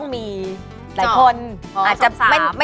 มีลาบร้อยมา